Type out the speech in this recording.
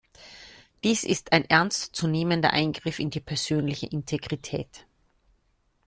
Dies ist ein ernst zu nehmender Eingriff in die persönliche Integrität.